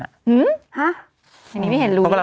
ในนี้ไม่เห็นรู้แล้วเลย